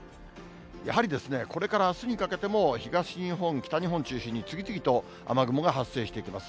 やはりこれからあすにかけても、東日本、北日本中心に次々と雨雲が発生していきます。